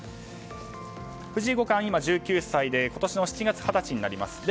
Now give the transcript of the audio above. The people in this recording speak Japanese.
藤井五冠、今１９歳で今年７月に二十歳になります。